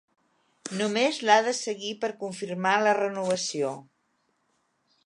Només l'ha de seguir per confirmar la renovació.